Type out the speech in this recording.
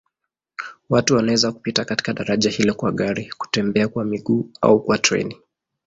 Watu wanaweza kupita katika daraja hilo kwa gari, kutembea kwa miguu au kwa treni.